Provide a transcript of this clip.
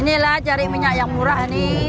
inilah cari minyak yang murah nih